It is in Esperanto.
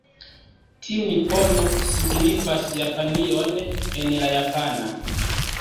Tiu 'Nippon' signifas Japanion en la japana.